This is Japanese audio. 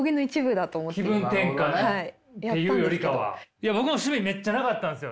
いや僕も趣味めっちゃなかったんすよ。